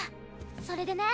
それでね